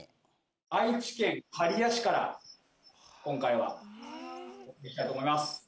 愛知県刈谷市から今回は行きたいと思います。